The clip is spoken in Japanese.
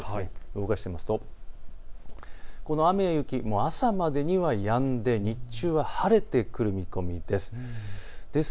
動かしてみますとこの雨や雪、朝までにはやんで日中は晴れてくる見込みです。